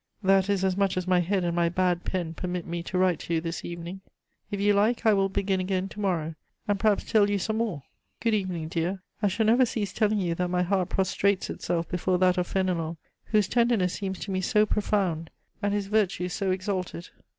"That is as much as my head and my bad pen permit me to write to you this evening. If you like, I will begin again to morrow, and perhaps tell you some more. Good evening, dear. I shall never cease telling you that my heart prostrates itself before that of Fénelon, whose tenderness seems to me so profound, and his virtue so exalted.